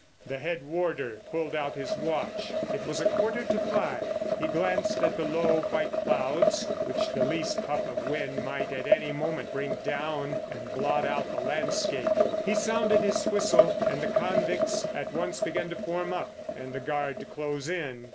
The head warder pulled out his watch. It was a quarter to five. He glanced at the low, white clouds which the least puff of wind might at any moment bring down and blot out the landscape. He sounded his whistle, and the convicts at once began to form up and the guard to close in.